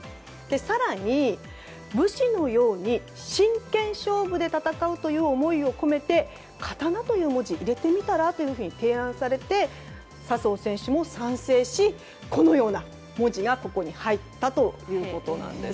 更に、武士のように真剣勝負で戦うという思いを込めて「刀」という文字を入れてみたら？というふうに提案されて笹生選手も賛成しこのような文字がここに入ったということです。